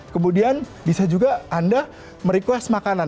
kemudian bisa juga anda merequest makanan